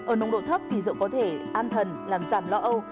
ở nông độ thấp thì rượu có thể an thần làm giảm lo âu